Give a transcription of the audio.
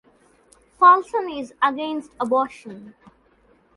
Paulsen is against abortion.